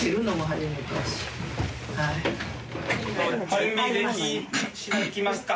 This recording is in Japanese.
準備でき行きますか。